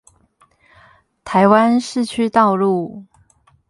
台灣市區道路